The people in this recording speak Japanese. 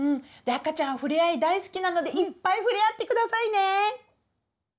赤ちゃんふれあい大好きなのでいっぱいふれあってくださいね！